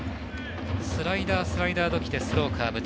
スライダースライダーときてスローカーブ。